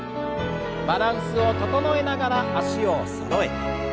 バランスを整えながら脚をそろえて。